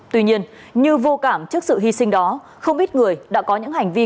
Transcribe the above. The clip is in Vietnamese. tuy nhiên như vô cảm trước sự hy sinh đó không ít người đã có những hành vi